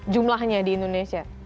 jumlahnya di indonesia